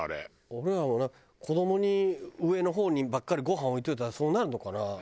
俺らも子どもに上の方にばっかりごはん置いておいたらそうなるのかな？